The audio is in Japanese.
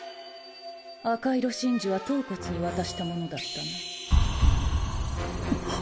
赤色真珠は檮に渡したものだったなんっ！？